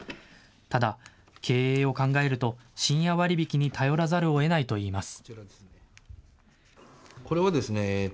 ただ、経営を考えると、深夜割引に頼らざるをえないといいます。